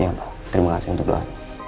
iya pak terima kasih untuk doa